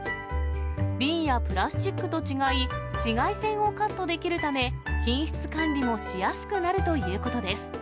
瓶やプラスチックと違い、紫外線をカットできるため、品質管理もしやすくなるということです。